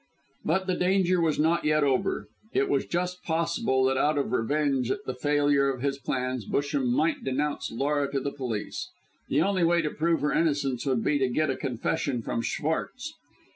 But the danger was not yet over. It was just possible that out of revenge at the failure of his plans, Busham might denounce Laura to the police. The only way to prove her innocence would be to get a confession from Schwartz.